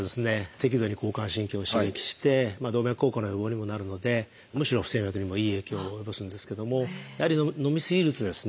適度に交感神経を刺激して動脈硬化の予防にもなるのでむしろ不整脈にもいい影響を及ぼすんですけどもやはり飲み過ぎるとですね